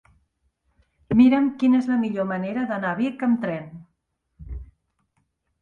Mira'm quina és la millor manera d'anar a Vic amb tren.